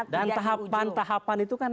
dan tahapan tahapan itu kan